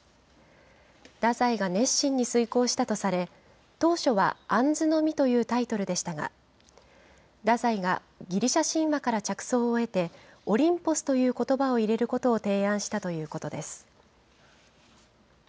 太宰が熱心に推こうしたとされ、当初は杏の実というタイトルでしたが、太宰がギリシャ神話から着想を得て、オリンポスということばを入れることを提案したということです。